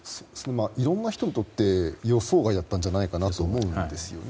いろんな人にとって予想外じゃないかなと思うんですよね。